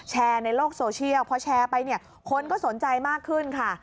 แชร์ในโลกโซเชียลพอแชร์ไปเนี่ยคนก็สนใจมากขึ้นค่ะ